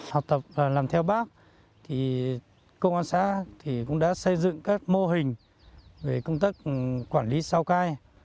học tập làm theo bác thì công an xã thì cũng đã xây dựng các mô hình về công tắc quản lý sao cai